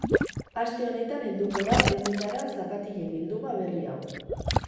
Aste honetan helduko da dendetara zapatilen bilduma berri hau.